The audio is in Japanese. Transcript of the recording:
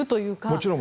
もちろん。